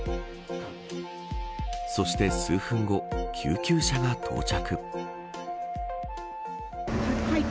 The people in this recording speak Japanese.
そして数分後救急車が到着。